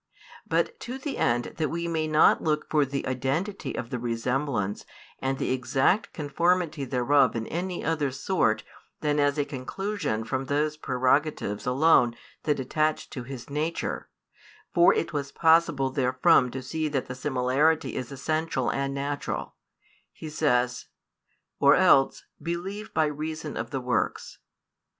But to the end that we may not look for the identity of the resemblance and the exact conformity thereof in any other sort than as a conclusion from those prerogatives alone that attach to His nature; for it was possible therefrom to see that the similarity is essential and natural; He says: Or else, believe by reason of the works.